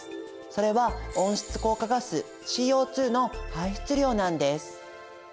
それは温室効果ガスＣＯの排出量なんです。